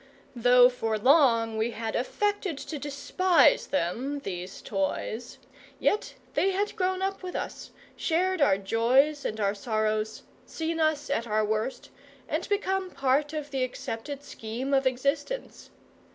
Though for long we had affected to despise them, these toys, yet they had grown up with us, shared our joys and our sorrows, seen us at our worst, and become part of the accepted scheme of existence.